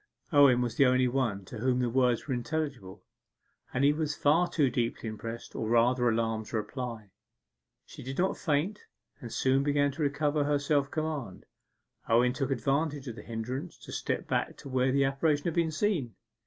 Owen was the only one to whom the words were intelligible, and he was far too deeply impressed, or rather alarmed, to reply. She did not faint, and soon began to recover her self command. Owen took advantage of the hindrance to step back to where the apparition had been seen.